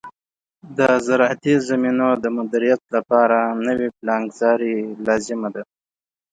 د زراعتي زمینو د مدیریت لپاره نوې پلانګذاري لازم ده.